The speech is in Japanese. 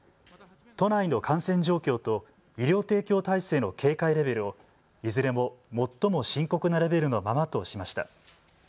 都内の感染状況と医療提供体制の警戒レベルをいずれも最も深刻なレベルのままとしました。